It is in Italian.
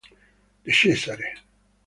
De Cesare